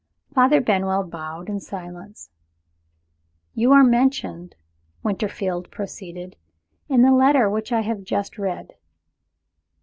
Father Benwell bowed, in silence. "You are mentioned," Winterfield proceeded, "in the letter which I have just read."